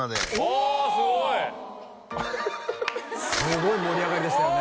ああすごいすごい盛り上がりでしたよね